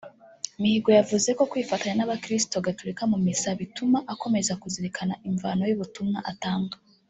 Mihigo yavuze ko kwifatanya n’abakristu gaturika mu missa bituma akomeza kuzirikana imvano y’ubutumwa atanga